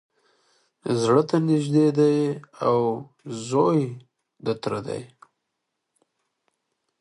زړه ته نیژدې دی او زوی د تره دی